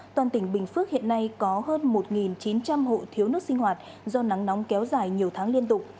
toàn tỉnh bình phước hiện nay có hơn một chín trăm linh hộ thiếu nước sinh hoạt do nắng nóng kéo dài nhiều tháng liên tục